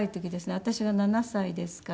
私が７歳ですから。